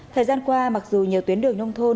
thời gian qua mặc dù nhiều tuyến đường nông thôn